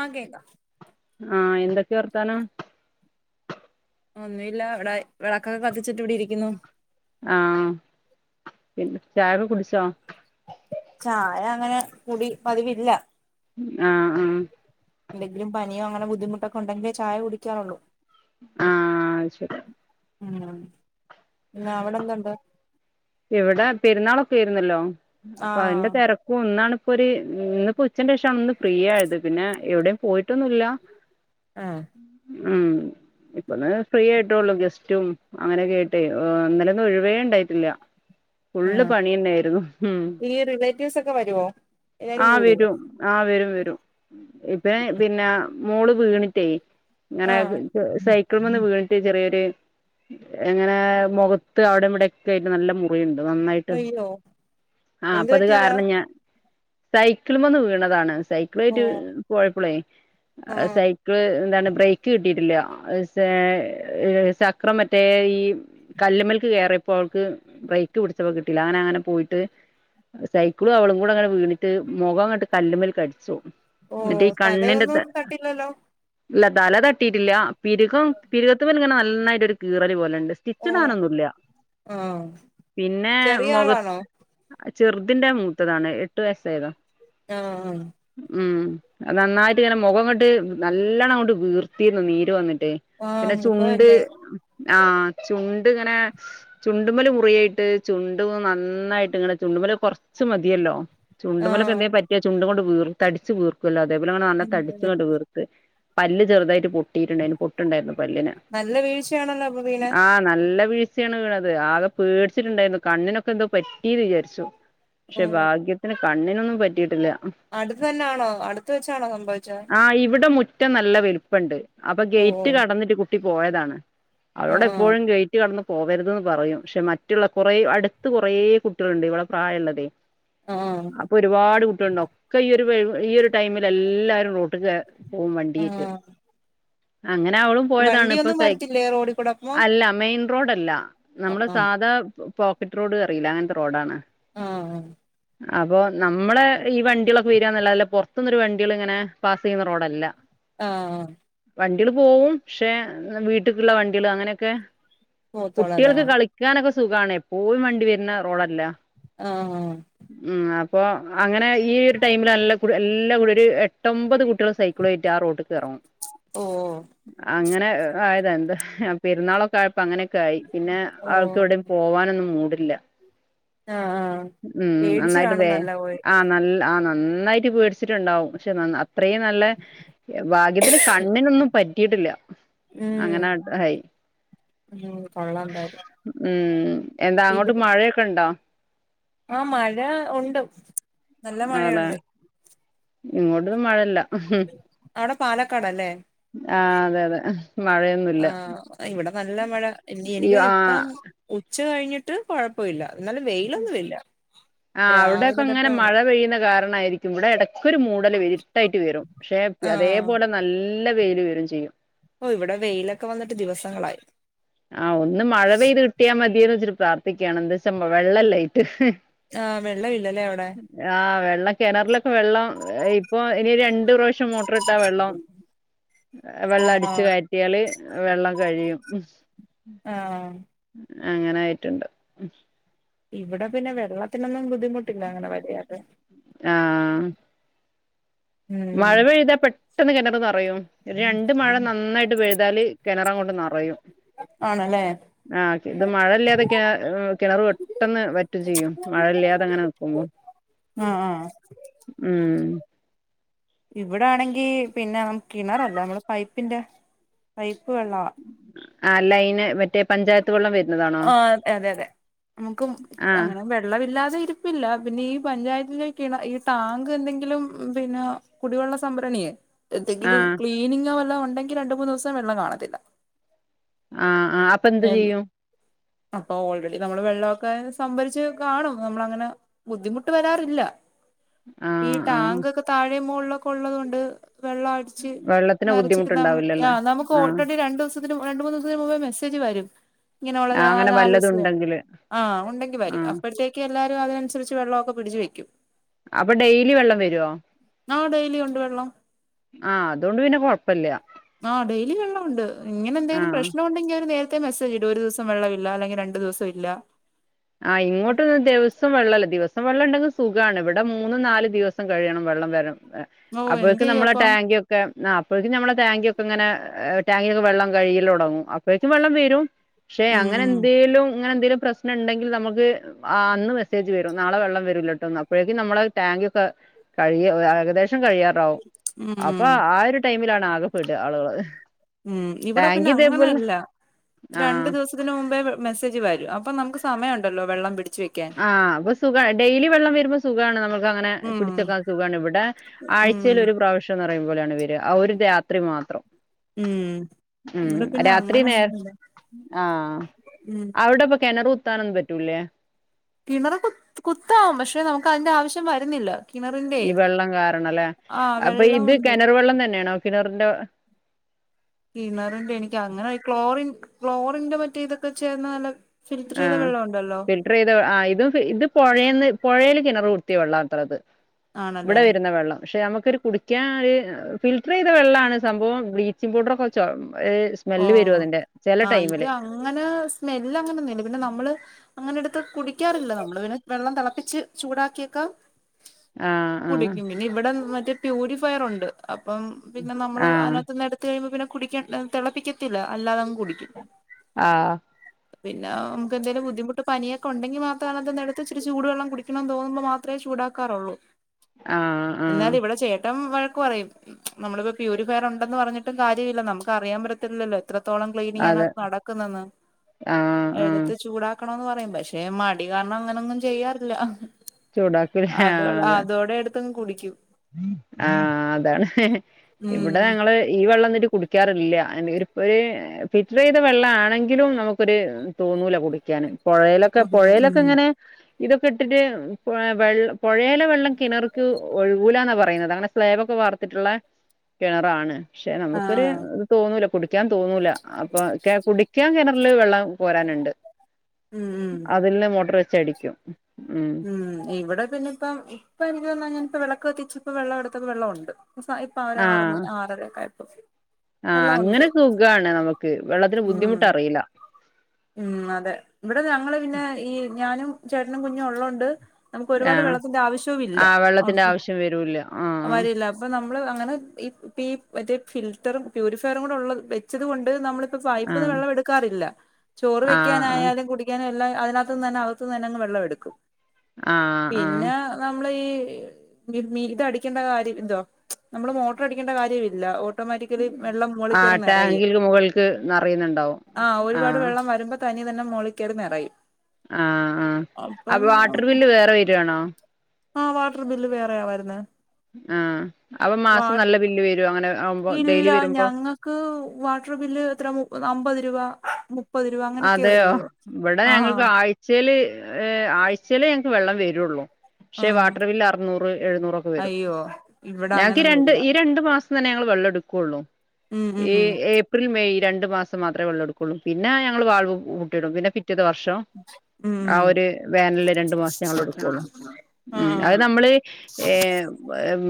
ആ കേക്കും ആ എന്തൊക്കെ വർത്താനം ഒന്നുല്ല ഇവിടെ വിളക്കൊക്കെ കത്തിച്ചിട്ട് ഇവിടെ ഇരിക്കുന്നു ആ പിന്നെ ചായകെ കുടിച്ചോ ചായ അങ്ങനെ കൂടി പതിവില്ല ആഹ് ആഹ് എന്തെങ്കിലും പനിയോ അങ്ങനെ ബുദ്ധിമുട്ടൊക്കെ ഉ ണ്ടങ്കിലോ ചായ കുടിക്കാറുള്ളൂ ആ ശരി ഉം പിന്നെ അവിടെ എന്തുണ്ട് ഇവിടെ പെരുന്നാളൊക്കെ ആയിരുന്നല്ലോ അപ്പൊ അതിന്റെ ആഹ് തെരക്കും ഇന്നാണ് ഇപ്പൊരു ഇന്നിപ്പോ ഉച്ചന്റെ ശേഷണ്ന്ന് ഫ്രീ ആയത് പിന്നെ എവിടെയും പോയിട്ടൊന്നുല്ല. ഉം ഉം ഇപ്പൊന്ന് ഫ്രീ ആയിട്ടള്ളൂ ഗെസ്റ്റും അങ്ങനെയൊക്കെ ആയിട്ട് ഇന്നലെക്കെ ഒഴിവേ ഉണ്ടായിട്ടില്ല ഫുള്ള് ആഹ് പണി തന്നെ ആയിരുന്നു ഉം ഈ റിലേറ്റീവ്സ് ഒക്കെ വരുവോ എല്ലാരും ആ കൂടുവോ വരും ആ വരും വരും ഇപ്പ പിന്നെ മോള് വീണിട്ട് ഇങ്ങനെ ആഹ് അയാദ് സൈ മരത്ത് മന്ന് വീണിട്ട് ചെറിയൊരു എങ്ങനെ മുഖത്ത് അവിടെ ഇവിടെ ഒക്കെ ആയിട്ട് നല്ല കുഴിണ്ട് നന്നായിട്ട് അയ്യോ ആ എന്ത് അപ്പൊ അത് പറ്റിയതാ കാരണം ഞാൻ സൈക്കിള് മന്ന് വീണതാണ് സൈക്കിൾ ആയിട്ട് ഓഹ് ആഹ് പോയപ്പോള്സൈക്കിള് എന്താണ് ബ്രേക്ക് കിട്ടിട്ടില്ല ചക്രം മറ്റേ ഈ കല്ല്മൽക്ക് കേയറപ്പോ അവൾക്ക് ബ്രക്ക് ക്പിടിച്ചപ്പോ കിട്ടീല്ല അങ്ങനെ അങ്ങനെ പോയിട്ട് സൈക്കിളും അവളും കൂടെ അങ്ങനെ വീണിട്ട് മുഖംങ്ങോട്ട് കല്ലുമ്മേൽ അടിച്ചു ഓഹ് എന്നിട്ട് ഈ കണ്ണിന്റെ ത തലയൊന്നും തട്ടില്ലല്ലോ ഇല്ല തലതട്ടിയിട്ടില്ല പിരുകം പിരി കത്തിൻ മൽ ഇങ്ങനെ ന നന്നായിട്ട് ഒരു കീറൽ പോലെ ഉണ്ട് സ്റ്റിച്ച് ഓഹ് ഇടാനൊന്നും ഇല്ല ആഹ് പിന്നെ ചെറിയ മുഖ ആളാണോ [unintelligible] ചെറു തിന്റെ മൂത്തതാണ് എട്ട് വയസ്സായ താ ആ ആ നന്നായിട്ട് ഇങ്ങനെ മുഖംങ്ങോട്ട് നല്ലണം കൊണ്ട് വീർത്തിരുന്നു നീര് വന്നിട്ട് ആഹ് പിന്നെ ചുണ്ട് മുഖമല്ലേ ആചുണ്ട് ഇങ്ങനെ ചുണ്ട്മല് മുറിയായിട്ട് ട്ട് ചുണ്ട് നന്നായിട്ട് ഇങ്ങനെ ചുണ്ടും മല് കുറച്ച് മതിയല്ലോ ചുണ്ടുമലെക്കെ ആഹ് എന്തേ പറ്റിയചുണ്ട് ങ്ങട്ട് വീർ തടിച്ച് വീർക്കും എല്ലാടും അതേപേലെഇങ്ങനെ നല്ല ഉം തടിച്ച് ഉം ഇങ്ങട്ട് വീർത്ത് പല്ല് ചെറുതായി്ട്ട് പൊ ട്ടിട്ടുണ്ടായിരുന്നുപൊട്ട്ണ്ടായിരുന്നു പല്ല്ന് നല്ല വീഴ്ചയാണല്ലോ അപ്പൊ വീണെ ആ നല്ല വീഴ്ച്ചയാണ് വീണത് ആകെ പേടി ച്ചിട്ടുണ്ടായിരുന്നു കണ്ണിനൊക്കെന്തോ പറ്റിന്ന് വിചാരിച്ചു പക്ഷേ ഓഹ് ഭാഗ്യത്തിന് കണ്ണിനൊന്നും പറ്റിയിട്ടില്ല അടുത്ത് തന്നൊണോ അടുത്ത് വെച്ചാണോ സംഭവിച്ചത് ആഹ് ഇവിടെ മുറ്റം നല്ല വലിപ്പണ്ട് അപ്പൊ ഓ ഗേറ്റ് കടന്നിട്ട് ട്ടി പോയതാണ് ഓ ആ അവളോട് എപ്പോഴും ഗേറ്റ്കടന്ന് പോവരുത് ന്ന് പറയും പക്ഷെ മ റ്റുള്ള കൊറേ അടുത്ത് കൊറേ കുട്ടികളുണ്ട് ഇവിളെ പ്രായള്ളത് ആ ആ അപ്പൊ ഒരുപാട് കുട്ടികളുണ്ടാവും. ഒക്കെ ഈ [unintelligible] ഈ ഒരു ടൈമിൽ എ ല്ലാരും റോട്ടിക്ക് പോവും ആ വണ്ടിയിട്ട് അങ്ങനെ അവളും പോയതാണ് ഇപ്പൊ വണ്ടിയൊന്നും സൈ വരത്തില്ലേ റോഡിൽ കൂടെ അപ്പൊ അല്ല മെയിൻ റോഡല്ല ആ നമ്മള് സാധാ പോക്കറ്റ് റോഡ് അറിയില്ലേ. അങ്ങനത്തെ റോഡാണ് ആ ആ അപ്പൊ നമ്മളെ ഈ വണ്ടികളൊക്കെ വരാന്നെല്ലാതെ പുറത്തുനിന്നൊരു വണ്ടികള് ഇങ്ങനെ പാസ് ചെയ്യുന്ന റോഡല്ല ആ ആ വണ്ടികൾ പോവും ക്ഷേ വീട്ട്ക്ള്ള വണ്ടികള് അങ്ങനെയൊക്കെ പോത്തോളല്ലേ ആ കുട്ടികൾക്ക് കളിക്കാനൊക്കെ സുഖാണ് എപ്പോയും വണ്ടി വരുന്ന റോഡല്ല ആ ആ ഇപ്പൊ അങ്ങനെ ഈ ഒരു ടൈമില് നല്ല എല്ലാ [unintelligible] ഒരു എട്ടൊമ്പത് കുട്ടികൾ സൈക്കളും ആയിട്ടാ ആ റോഡ് [unintelligible] ഓ അങ്ങനെ ആഹ് ആയത് എന്ത അഹ് പെരുന്നാളൊക്കെ ആഴപ്പ അങ്ങനെ ക്കായി പിന്നെ ഓ ആൾക്ക് എവിടിം പോകാനൊന്നും മൂടില്ല ആ ആ ഉം പേടിച്ചു കാണും നന്നായിട്ട്‌വേ നല്ല പോയി ആഹ് നല്ല ആഹ്‌ ന നന്നായിട്ടുപേടി ചിട്ടുണ്ടാവും പക്ഷെ നന്നാ അത്രയും നല്ല ഭാഗ്യത്തിന് കണ്ണിനൊന്നും പറ്റിയിട്ടില്ല ഉം അങ്ങനെ ഹായ്‌ ഉം കൊള്ളാം എന്തായാലും ഉം എന്താ അങ്ങോട്ട് ഇവിടെ മഴയൊക്കെ ഉണ്ടോ ഉണ്ടോ ആ മഴ ഉണ്ട് നല്ല മഴയുണ്ട് ഇങ്ങോട്ട് മഴയില്ല അവിടെ പാലക്കാടല്ലേ ആഹ് അതെ അതെ ആ മഴയൊന്നുല്ല ഇവിടെ നല്ല മഴ എനിക്കൊന്നു ഇപ്പം ഉച്ച കഴിഞ്ഞിട്ട് കുഴപ്പില്ല ആ അവിടോക്കെ രാവിലെ ങ്ങനെ തൊട്ട് മഴ പെയ്യുന്ന കാരണായിരിക്കും ഇവിടെ ഇടക്കൊരു മൂടല് ഇരുട്ടായിട്ട് വരും പക്ഷെ ആഹ് അതേപോലെ നല്ല വെയില് വരും ചെയ്യും ഓ ഇവിടെ വെയിലൊക്കെ വന്നിട്ട് ദിവസങ്ങളായി ആ ഒന്ന് മഴ പെയ്ത് കിട്ടിയ മതിയന്ന് വച്ച് പ്രാർ ക്കെയാണ് ന്ത് വെള്ളല്ലയ്ട്ട് ആഹ് വെള്ളമില്ലല്ലേ അവിടെ ആഹ് വെള്ളം കിണറിലൊക്കെ വെള്ളം ഇപ്പൊ ഇനി രണ്ട് [unintelligible] ച്ച് മോട്ടറിട്ടാ വെള്ളം വെള്ളം ആഹ് അടിച്ചു ആഹ് കറ്റിയാൽ വെള്ളം കഴിയും ഉം ആ അങ്ങനെ ആയിട്ടുണ്ട് ഇവിടെ പിന്നെ വെള്ളത്തിനൊന്നും ബുദ്ധിമുട്ടില്ല അങ്ങനെ വല്യാതെ ആ ഉം മഴ പെയ്താപ്പെട് പെട്ടെന്ന് കെണറൊക്കെ നറയും രണ്ട് മഴ നന്നായിട്ട് പെഴുതാല് കിണറങ്ങോട്ട് നറയും ആണല്ലേ ആ ക്കെ ഇത് മഴ ഇല്ലാതെ കിണ ഉം കിണറ് പെട്ടെന്ന് വറ്റും ചെയ്യും മഴയില്ലാതെ അങ്ങനെ നൽക്കുമ്പോൾ ആ ആ ഉം ഇവിടെ ആണെങ്കി പിന്നെ കിണറല്ല നമ്മള് പൈപ്പിന്റെ പൈപ്പ് വള്ളവാ ആ അല്ല അയ്ന് മറ്റേ പഞ്ചായത്ത വെള്ളം വ ആ അതെ അതെ നമുക്ക് ആഹ് അങ്ങനെ വെള്ളമില്ലാതെ ഇ പ്പില്ല പിന്നെ ഈ പഞ്ചായത്തിലേക്ക് ഈ ടാങ്ക് എന്തെങ്കിലും പിന്നെ കുടിവെള്ള സംഭരണിയേ എന്തെങ്കിലും ആഹ് ക്ലീനിങ്ങോ വല്ല ഉണ്ടെങ്കിൽ രണ്ട് മൂന്ന് ദിവസം വെള്ളം കാണത്തില്ല ആഹ് ആ അപ്പൊ ന്ത് ഏ, ചെയ്യും അപ്പൊ ഓൾറെഡി നമ്മള് വെള്ളമൊക്കെ സംഭരിച്ച് കാണും നമ്മൾ അങ്ങനെ ബുദ്ധിമുട്ട് വരാറില്ല ആഹ് ആഹ് ഈട്ടാങ്കൊക്കെ താഴെ ഴ മോളിലൊക്കെ ഉള്ളതുകൊണ്ട് വെള്ളം അടിച്ച് വെള്ളത്തിന് നിറച്ച് ന ആ നമുക്ക് ആ ബുദ്ധിമുട്ടുണ്ടാവില്ലല്ലേ നമ്മുക്ക് ആഹ് ഓൾറെഡി രണ്ടു ദിവസത്തിനും രണ്ട മൂന്ന് ദിവസ [unintelligible] മെസേജ് വരും ഇങ്ങനെയുള്ള ആഹ് അങ്ങനെ വല്ലതും നാലൂസ്യ ഉണ്ടെങ്കില് ആ ഉണ്ടെങ്കി വരും. ആഹ് അപ്പോഴത്തേക്ക് എല്ലാരും അതിനനുസരിച്ച് വെള്ളമൊക്കെ പിടിച്ച് വയ്ക്കും. അപ്പൊ ഡെയിലി വെള്ളം [unintelligible] വരുവോ ആഹ് ഡൈലി ഉണ്ട് വെള്ളം. ആഹ് അതുകൊണ്ട് പിന്നെ കൊഴപ്പല്ല ആഹ് ഡെയിലി വെള്ളണ്ട്. ഇങ്ങനെ എന്തെങ്കിലും ആഹ് പ്രശ്നം ഉണ്ടെങ്കി അവ നേര [unintelligible] മെസ്സേജി ഒരു സം വെള്ളമില്ല അല്ലെങ്കി രണ്ടു ദിവസം ഇല്ല ആ ഇങ്ങോട്ടൊന്നും ദെവസം വെള്ളല്ല ദിവസം വെള്ളം ഉണ്ടെങ്കി സുഗാണ് ഇവിടെ മൂന്നും നാല് ദിവസം കഴിയണം വെള്ളം വരം ഓഹ് എന്ത് അപ്പോഴേക്ക്‌ ചെയ്യും നമ്മളെ അപ്പം ടാങ്ക്യൊക്കെ ആഹ് അപ്പോഴേക്കും നമ്മളെ ടാങ്കിയൊക്കെങ്ങനെ ടാങ്കിക്കെ വെള്ളം കഴിയിൽ തുടങ്ങും അപ്പോഴക്കും വെള്ളം വരും ക്ഷെ ഉം അങ്ങനെ ഉം എന്തേലും അങ്ങനെന്തേലും പ്രശ്ന ണ്ടെങ്കി നമുക്ക് അന്ന് മെസ്സേജ് വരും നളെ വെള്ളം വരൂല്ലോട്ടോ അപ്പോഴേക്കും നമ്മള ടാങ്ക്യൊക്കെ കഴിയ ഏകദേശം കഴിയാറാവും അപ്പൊ ഉം ആ ഒരു ടൈമില ആകെ പെട ആളുകള് ഉം ഇവിടെ ടാങ്ക് പിന്നെ ഇതേപോലെ അങ്ങനല്ല രണ്ടു ആഹ് ദിവസത്തിന് മുമ്പേ വെ മെസ്സേജ് വരും അപ്പം നമുക്ക് സമയ ഉണ്ടല്ലോ വെള്ളം പിടി ആഹ് അപ്പൊ സുഖ ഡെയിലി വെള്ളം വരുമ്പോ സുഖാണ് നമ്മുക്ക് അങ്ങനെ ഉം പിടിച്ചെക്കാൻ സുഖാണ് ഇവിടെ ഉം ആഴ്ചയിൽ ഒരു പ്രാവശ്യം എ പറയുമ്പോളാണ് വര ആ ഒരു രാത്രി മാത്രം. ഉം ഉം ഇവിടെ പിന്നെ രാത്രി നേർ അങ്ങനെയൊന്നുമില്ല ആഹ് ഉം അവിടെപ്പൊ കെണറു കു ത്താനൊന്നും പറ്റൂലേ കിണർ കു കുത്താം പക്ഷെ നമുക്ക് അതിന്റെ ആവശ്യം വരുന്നില്ല കിണറിന്റെ ഈ വെള്ളം കാരണംല്ലേ ആഹ് അപ്പൊ ഇത് വെള്ളമുണ്ട് കെണർ വെള്ളം തന്നെയാണോ കിണറിന്റെ ഫ്ലോറിന്റെ മറ്റെ ഇതൊക്കെ ചേർന്ന ന ആ ഫിൽട്ടർ ചെയ്ത ആ ഇതും പൊഴേന്ന് പൊഴേല് കിണറ് കുത്തിയ വെള്ളാത്രെ ത് ആണല്ലേ ഇവിടെ വരുന്ന വെള്ളം ക്ഷെ നമു ത് ഒരു കുടിക്കാൻ ഒരു ഫിൽറ്റർ എയ്ത വെള്ളാണ് സംഭവം ബ്ലീച്ചിങ് പൗഡർക്കെ ചൊ ഓ സ്മെല്ല് വരും അതിന്റെ ചില ആഹ് ഇത് ടൈമില് അങ്ങനെ സ്മെല് അങ്ങനൊന്നും ഇല്ല പിന്നെ നമ്മള് അങ്ങനെ എടുത്ത് കുടിക്കാറില്ല നമ്മള് പിന്നെ വെള്ളം തെളപ്പിച്ച് ചൂടാക്കിയക്കാം ആ ആ മറ്റേ പ്യൂരിഫയർ ഉണ്ട് അപ്പം പിന്നെ നമ്മള് ആഹ് അതിനകത്ത്ന്ന് എടുത്ത് കഴിയുമ്പോ പിന്നെ കുടിക്കണ്ട തിളപ്പിക്കത്തില്ല അല്ലാതെ ആ പിന്നെ നമുക്ക് എന്തേലും ബുദ്ധിമുട്ട് പനിയൊക്കൊഉണ്ടെങ്കിൽ മാത്രം എടുത്ത് ചൂട് വെള്ളം കുടിക്കണംന്ന് തോന്നുമ്പൾ മാത്രമേ ചൂടാക്കാറുള്ളൂ ആഹ് ആഹ് ആഹ് എന്നാല് ഇവിടെ ചേട്ടൻ വ- വഴക്ക് പറയും നമ്മളിപ്പോ പ്യൂരിഫയർഉണ്ടെന്ന് പറഞ്ഞിട്ടും കാര്യല്യന്നാ പറയാൻ പറ്റത്തില്ലല്ലോ എത്രത്തോളം ക്ലീനിങ്ങാണ് അതെ നടക്കുന്നതെന്ന് ആഹ് ആഹ് എടുത്ത് ചൂട- ആക്കണന്ന് പറയും പക്ഷെ മടി കാരണം അങ്ങനങ്ങും ചെയ്യാറില്ല ചൂടാക്കല് ആ അതെ ത്തും കുടിക്കൂ ആ അതാണ് ഇവിടെ ഉം ഞങ്ങള് ഈ വെള്ളം ന്നട്ട് കു ക്കാറില്ല ആന്റ് ഇപ്പഴ് ഫിൽറ്ററെ ചയ്ത വെള്ളമാണെങ്കിലും നമുക്കൊരു തോന്നൂല കുടിക്കാന് പൊഴയിലൊക്കെ കുടിക്കും ഉം പൊഴയിലൊക്കെങ്ങനെ ഇതൊക്കെ ഇട്ടിട്ട് വെ വെൾ പൊയലെ വെള്ളം കിണർക്ക് ഒഴിക് കൂലാന്നാ പറയുന്നത് അങ്ങനെ സ്ലാബ് ഒക്കെ വാർത്തിട്ടുള്ള കിണറാണ് പക്ഷെ നമുക്കൊരു ആഹ് ഇത് തോന്നൂല കുട് കുടിക്കാൻ തോന്നൂല അപ്പൊ കെ കുടിക്കാൻ കിണറില് വെള്ളം കോരാന്ണ്ട് ഉം ഉം അതിൽന്ന് മോട്ടർ വെ ചടിക്കും ഉം ഇവിടെ പിന്നെപ്പം ഇപ്പര്ന്നഞൻ വെളക്ക് കത്തിച് പ്പ വെള്ള എടുത്തപ്പൊ വെള്ളോണ്ട് ഫാ ഇപ്പം ഒരു ആറ് മ ആഹ് ആറര യൊക്കെ ആയ ആഹ് വെള്ളമുണ്ട് അങ്ങനെ സുഖാണ് നമുക്ക് വെള്ളത്തിന് ഉം ബുദ്ധിമുട്ട് അറിയില്ല ഉം അതെ ഇവിടെ ഞങ്ങള് പിന്നെ ഈ ഞാനും ചേട്ടനും കുഞ്ഞും ഉള്ളോ ണ്ട് നമുക്ക് ഒരുപാട് ആഹ് വെള്ളത്തിന്റെ ആവശ്യവും ഇല്ല ആഹ് വെള്ളത്തിന്റെ ആവശ്യം വരൂല്ല ആഹ് അ ആ വരില്ല പ്പൊ നമ്മള് അങ്ങനെ ഇപ്പി മറ്റേ ഫിൽട്ടറ് പ്യൂരിഫയറുടെ ഉള്ള വെച്ചത് കൊണ്ട് നമ്മൾ പൈപ്പ്ന്ന് ആഹ് വെള്ളം എടുക്കാറില്ല ചോറ് ആഹ് ആഹ് വെക്കാനായാലും കുടിക അതിനത്തുനന്ന അകത്ത് നിന്ന്തന്നെ വെള്ളം എടുക്കും ആ ആ മ്മള് ഈ മി മി ഇതടിക്കേണ്ട കാര്യ ത് നമ്മള് മോട്ടർ അടിക്കേണ്ട കാര്യല്യ ആ ടാങ്കിൽ മുകൾക്ക് നിറയുന്നുണ്ടാവും ആ തനി തന്നെ മോളികയറി നെറയും ആ ആ അപ്പൊ വാട്ടർ ബില്ല് വേ വരുവാണോ ആ വാട്ടർ ബില്ല് വേറെയാവരുന്നേ ആ അപ്പ മാസം നല്ല ബില്ല് വരും അങ്ങനെ ആവുമ്പോ ഇല്ല ഡെയിലി വരുമ്പോ ഞങ്ങൾക്ക് വാട്ടർ ബില് എത്ര മുപ അമ്പത് രൂപ [unintelligible] അങ്ങനെയൊക്കെ അതെയോ വരുള്ളൂ ഇവിടെ ആഹ് ഞങ്ങൾക്ക് ആഴ്ചയില് ഏ ആഴ്ചയില് വെള്ളം വരുള്ളൂ പക്ഷെ ആഹ് വാട്ടർ ബില് അറുന്നൂറ് എഴുന്നൂറൊക്കെ വരും അയ്യോ ഇവിടെ ഞങ്ങൾക്ക് അങ്ങനൊന്നും രണ്ട് ഇല്ല ഈ രണ്ടു മാസം [unintelligible] ഞങ്ങള് വെള്ളം എടുക്കുവുള്ളൂ ഉം ഈ ഉം ഏപ്രിൽ മെയ് രണ്ടു മാസം മാത്രേ വെള്ളം എടുക്കൊള്ളൂ പിന്നെ [unintelligible] കൂട്ടിടും പിന്നെ [unintelligible] ത് വർഷം ഉം ആ ഒരു വേനില് രണ്ടു മാസം ഞങ്ങളെടുക്കുള്ളൂ അത് ആഹ് നമ്മള്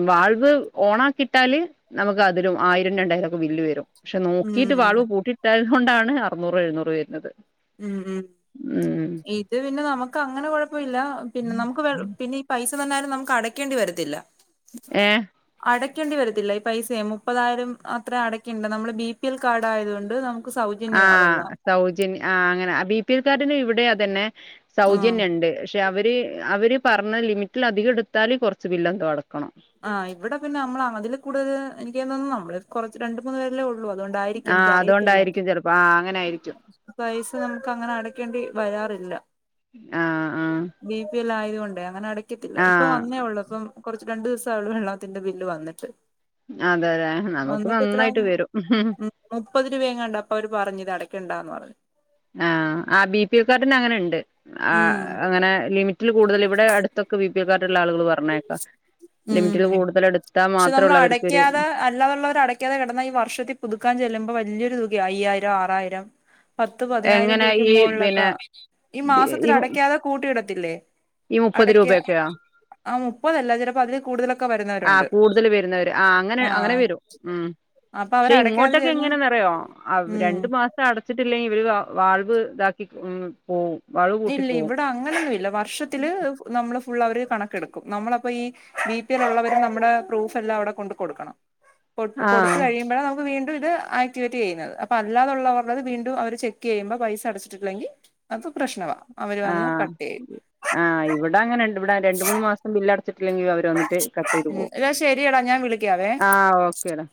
വാ അത് ഓണാക്കിട്ടാല് നമുക്ക് അതിലും ആയിരം രണ്ടായിരം ഒക്കെ ബില്ല് വരും പക്ഷെ ഉം നോക്കിട്ട് ഉം വാളുപൂട്ടിട്ടാൽ കൊണ്ടാണ് അറൂനൂറും എഴുന്നൂറും കൊണ്ട് വരുന്നത് ഉം ഉം ഉം ഇത് പിന്നെ നമുക്ക് അങ്ങനെ കൊഴപ്പയില്ല പിന്നെ നമുക്ക് വെൾ പിന്നേ പൈ പൈസ തന്നാലും നമുക്ക് അടയ്ക്കേണ്ടി വരത്തില്ല ഏഹ് അടയ്ക്കേണ്ടി വരത്തില്ല ഈ പൈസേ മുപ്പതായിരം അത്ര അടക്കണ്ട നമ്മള് ബി പി എൽ കാർഡ് ആയതുകൊണ്ട് ആ സൗജന്യവാ വെള്ളം സൗജന്യ ആ അങ്ങനെ ബി പി എൽ കാർഡിന് ഇവിടെയാ തന്നെ ആഹ് സൗജന്യുണ്ട് പക്ഷെ അവര് അവര് പറഞ്ഞ ലിമിറ്റിൽ അധികം എടുത്താല് കുറച്ച് ബില്ല് എന്തോ അടക്കണം ആ ഇവിടെ പിന്നെ നമ്മള് അതില് കൂടുതൽ എനിക്ക് തോന്നുന്നു നമ്മള് കുറച്ച് രണ്ട്മൂന്ന് പേരല്ലെ ഉള്ളു അതൊണ്ടായിരിക്കും ആ എനിക്കറിയത്തില്ല അതുകൊണ്ടായിരിക്കും ചിലപ്പോ ആ അങ്ങനെ ആയിരിക്കും പൈസ നമുക്ക് അങ്ങനെ അടക്കേണ്ടി വരാറില്ല ഇല്ല ആ ആ [unintelligible] അങ്ങനെ അടക്കത്തില്ല ആ ഇപ്പൊ വന് ഒന്നേ ഉള്ളൂ ഇപ്പം കുറ രണ്ട് ദി [unintelligible] വെള്ളാത്തിന്റെ ബില്ല് വന്നിട്ട് അതെ അതെ നമുക്ക് വന്നിട്ട് എത്ര നന്നായിട്ട് വരും മുപ്പത് രൂപേങ്ങാണ്ട അപ്പൊ അവര് പറഞ്ഞത് അടക്ക ക്കണ്ടാന്ന് പറഞ് ആഹ് ആ ബിപിഎൽ കാർഡിന് അങ്ങനെ ഇണ്ട്. ആ ഉം അങ്ങനെ ലിമി [unintelligible] കൂടുതൽ ഇവിടെ അടുത്ത് ഒക്കെ ബിപിഎൽ. കാർഡുള്ള ആളുകൾ പ ഉംഉം എടുത്താൽ പക്ഷെ മാത്രേ നമ്മള് ഉള്ളൂ അവർക്കൊരു അടക്കാതെ അല്ലാതെ ഉള്ളവർ അടക്കാതെ കിടന്നാ ഈ വർഷത്തി പുതുക്കാൻ ചെല്ലുമ്പോ വലിയൊരു തു ഇ അയ്യായിരം ആറായിരം പത്ത് പതിനായിരം എങ്ങനെ രൂപയ്ക്ക് ഈ പിന്നെ മൊളിലൊക്കെ ഈ മാസത്തിൽ ഈ അടക്കാതെ കൂട്ടിയിടത്തില്ലേ. ഈ മുപ്പത് അടയ്ക്ക രൂപയൊക്കെയോ. ആ മുപ്പതല്ല ചിലപ്പോ അതില് കൂടുതലൊക്കെ ആ വരുന്നവരുണ്ട് കൂടുതൽ വരുന്നവര് ആ അങ്ങനെ ആഹ് വരും ഉം അപ്പൊ ശ്ശെ അവര് അടയ്ക്കാതെ യിങ്ങോട്ടൊക്കെ ചെന്ന് എങ്ങനേന്നറിയോ അവ ഉം രണ്ട് മാസ അടച്ചിട്ടില്ലെങ്കിൽ ഇവല് [unintelligible] വാൾവ് ഇതാക്കി ഉം പോവും വാൾവ് പൂട്ടി ഇല്ല പോവും ഇവിടെ അങ്ങനൊന്നും ഇല്ല വ വർഷത്തില് നമ്മള് ഫുൾ അവർ കണക്കെടുക്കും നമ്മളപ്പോ ഈ ബി പി എല്ലുള്ളവരെ നമ്മുടെ പ്രൂഫ് എല്ലാം അവിടെ കൊണ്ട് കൊടുക്കണം. കൊട്ട് കൊടുത്ത ആഹ് കഴിയുമ്പഴാ നമുക്ക് വീ ണ്ടു ഇത് ആക്ടിവേറ്റ് ചെയ്യുന്നത് അപ്പൊ അല്ലാതുള്ളവരുടെത് വീണ്ടും അവര് ചെക്ക് ചെയ്യുമ്പോ പൈസ അടച്ചിട്ടില്ലെങ്കിൽ അത്. പ്രശ്നവാ അവര് ആ വന്ന് കട്ട് ചെയ്യും ആ ഇവിടെ അങ്ങനെ ഇവിടെ രണ്ട് മൂന്ന് മാസം ബിൽ അട വച്ചിട്ടില്ലെങ്കിൽ അവര് വന്നിട്ട് കട്ടെയ്ത് ഉം പോകും എടാ ശരിയടാ ഞാൻ വിളിക്കാവേ ആഹ് ഓക്കെടാ.